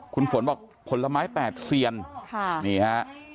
คุณฝนบอกผลไม้แปดเซียนนี่ฮะ